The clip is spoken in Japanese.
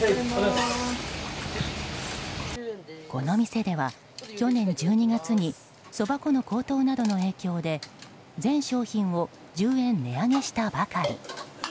この店では、去年１２月にそば粉の高騰などの影響で全商品を１０円値上げしたばかり。